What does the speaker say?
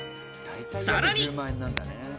さらに。